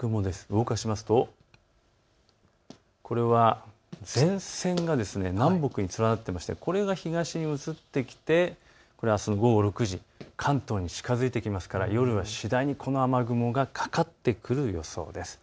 動かすとこれは前線が南北に連なっていてこれが東に移ってきてあすの午後６時、関東に近づいてきますから夜は次第にこの雨雲がかかってくる予想です。